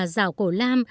rào cổ lam